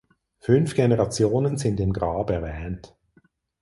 Fünf Generationen sind im Grab erwähnt.